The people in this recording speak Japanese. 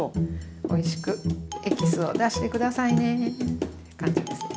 おいしくエキスを出して下さいね感じですね。